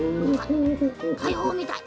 たいほうみたい。